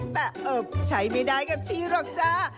แต่เออใช้ไม่ได้กับชีหรอกจ้า